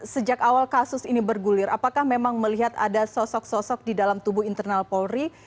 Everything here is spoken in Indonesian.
sejak awal kasus ini bergulir apakah memang melihat ada sosok sosok di dalam tubuh internal polri